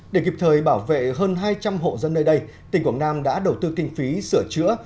để kịp thời bảo vệ hơn hai trăm linh hộ dân nơi đây tỉnh quảng nam đã đầu tư kinh phí sửa chữa